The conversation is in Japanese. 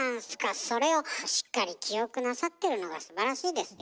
それをしっかり記憶なさってるのがすばらしいですよ。